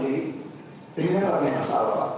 ini kan ada masalah